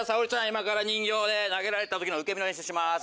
今から人形で投げられた時の受け身の練習します